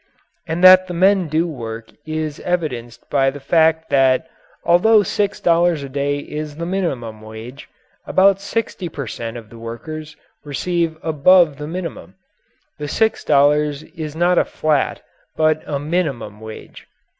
And that the men do work is evidenced by the fact that although six dollars a day is the minimum wage, about 60 per cent. of the workers receive above the minimum. The six dollars is not a flat but a minimum wage.